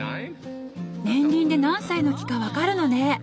年輪で何歳の木か分かるのね。